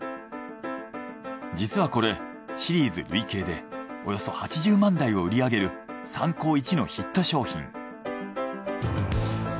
実はこれシリーズ累計でおよそ８０万台を売り上げるサンコーいちのヒット商品。